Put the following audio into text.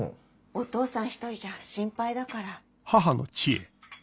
お父さん一人じゃ心配だから。